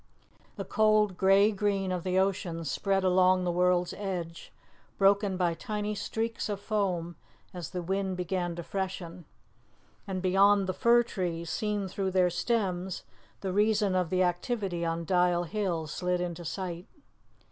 The cold grey green of the ocean spread along the world's edge, broken by tiny streaks of foam as the wind began to freshen, and beyond the fir trees, seen through their stems, the reason of the activity on Dial Hill slid into sight.